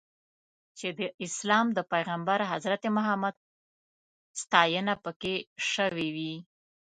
چې د اسلام د پیغمبر حضرت محمد ستاینه پکې شوې وي.